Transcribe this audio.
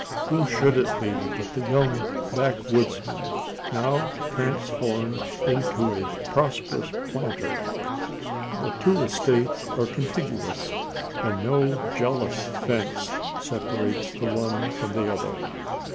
Who should it be, but the young backwoodsman now transformed into a prosperous planter? The two estates are contiguous, and no jealous fence separates the one from the other.